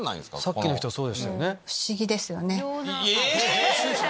さっきの人そうでしたね。